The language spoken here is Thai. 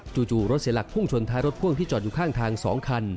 จู่รถเสียหลักพุ่งชนท้ายรถพ่วงที่จอดอยู่ข้างทาง๒คัน